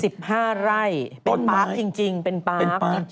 ๑๕ไร่เป็นปาร์กจริง